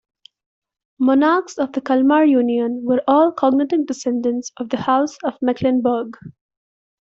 Monarchs of the Kalmar union were all cognatic descendants of the House of Mecklenburg.